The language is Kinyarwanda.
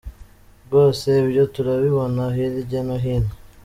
Rwose ibyo turabibona hirya no hino.